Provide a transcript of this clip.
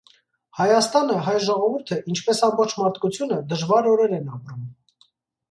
Հայաստանը, հայ ժողովուրդը, ինչպես ամբողջ մարդկությունը, դժվար օրեր են ապրում: